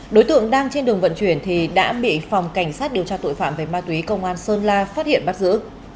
đối tượng đang trên đường vận chuyển thì đã bị phòng cảnh sát điều tra tội phạm về ma túy công an sơn la phát hiện bắt giữ